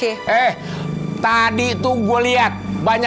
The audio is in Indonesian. ya sudah bukannya